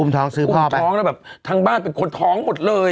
ถ้างบ้านเป็นคนท้องหมดเลย